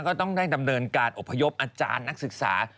ก็ต้องได้ดำเนินการอบพยพอาจารย์นักศึกษา